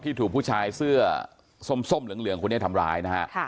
ที่ถูกผู้ชายเสื้อส้มเหลืองคุณเนี่ยทำร้าย